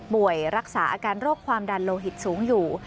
รักษาอาการโรคความดันโลหิตสูงอยู่